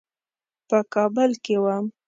په کابل کې وم.